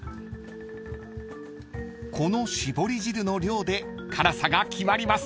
［この搾り汁の量で辛さが決まります］